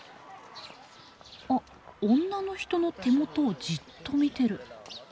あっ女の人の手元をじっと見てる。